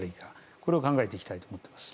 これを考えていきたいと思っています。